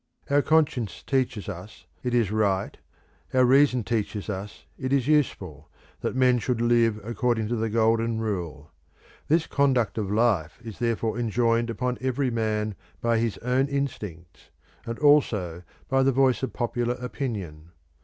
Our conscience teaches us it is right, our reason teaches us it is useful, that men should live according to the Golden Rule. This conduct of life is therefore enjoined upon every man by his own instincts, and also by the voice of popular opinion.